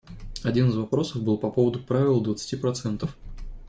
Один из вопросов был по поводу правила двадцати процентов.